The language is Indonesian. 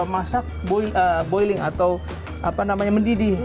masak boiling atau apa namanya mendidih